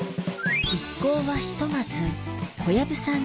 一行はひとまず小籔さん